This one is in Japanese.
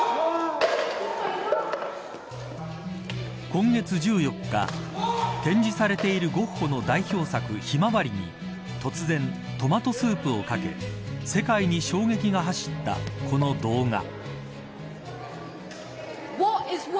今月１４日展示されているゴッホの代表作、ひまわりに突然、トマトスープをかけ世界に衝撃が走ったこの動画。